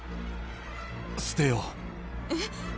捨てようえっ？